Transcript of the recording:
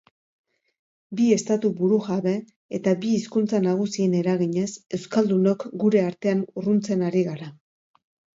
Bi estatu burujabe eta bi hizkuntza nagusien eraginez, euskaldunok gure artean urruntzen ari gara.